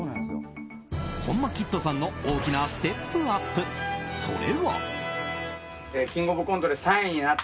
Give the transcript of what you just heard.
本間キッドさんの大きなステップアップ、それは。